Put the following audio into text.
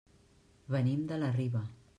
Venim de la Riba.